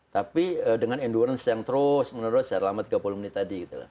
tapi dengan endurance yang terus menerus selama tiga puluh menit tadi